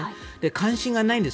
関心がないんです。